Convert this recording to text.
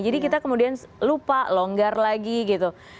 jadi kita kemudian lupa longgar lagi gitu